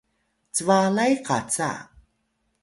cbalay qaca